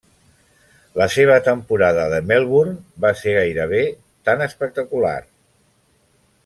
La seva temporada de Melbourne va ser gairebé tan espectacular.